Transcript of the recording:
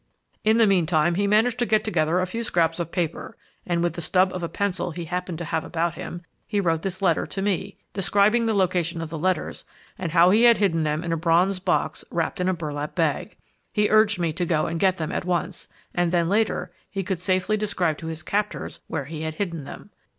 "In the meantime, he managed to get together a few scraps of paper, and with the stub of a pencil he happened to have about him, he wrote this letter to me, describing the location of the letters and how he had hidden them in a bronze box wrapped in a burlap bag. He urged me to go and get them at once, and then, later, he could safely describe to his captors where he had hidden them.